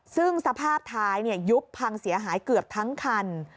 ซึ่งสภาพท้ายยุบพังเสียหายเกือบทั้งคัน